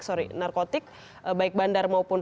sorry narkotik baik bandar maupun